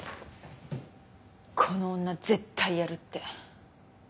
この女絶対やるって。